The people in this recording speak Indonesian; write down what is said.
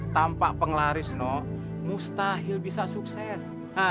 tanpa penglaris mustahil bisa sukses